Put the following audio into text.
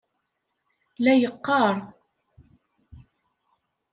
La yeqqaṛ.